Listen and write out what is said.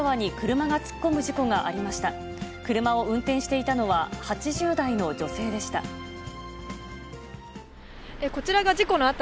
車を運転していたのは８０代の女性でした。